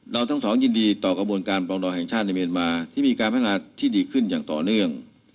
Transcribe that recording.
ทั้งสองยินดีต่อกระบวนการปรองดองแห่งชาติในเมียนมาที่มีการพัฒนาที่ดีขึ้นอย่างต่อเนื่อง